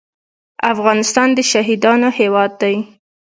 افغانستان د شهیدانو هیواد دی